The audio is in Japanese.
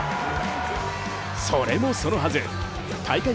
それもそのはず、大会